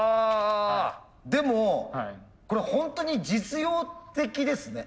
でもこれホントに実用的ですね。